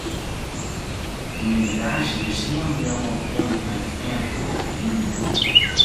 Kin myn bagaazje hjir stean bliuwe oant ik nei it fleanfjild ta gean?